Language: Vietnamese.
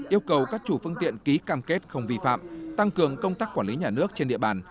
yêu cầu các chủ phương tiện ký cam kết không vi phạm tăng cường công tác quản lý nhà nước trên địa bàn